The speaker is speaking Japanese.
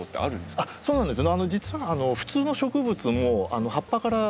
あっそうなんですね。